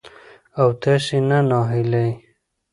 او تاسې له ناهيلۍ